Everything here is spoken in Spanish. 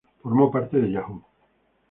Formó parte de Yahoo!